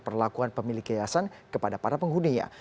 perlakuan pemilik yayasan kepada para penghuninya